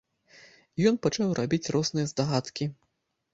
І ён пачаў рабіць розныя здагадкі.